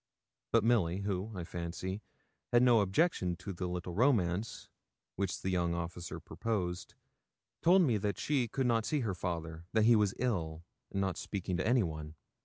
But Milly, who, I fancy, had no objection to the little romance which the young officer proposed, told me that she could not see her father, that he was ill, and not speaking to anyone.